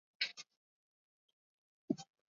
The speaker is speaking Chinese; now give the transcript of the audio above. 据点是首都艾尔甸。